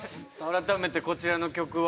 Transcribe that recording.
改めてこちらの曲は？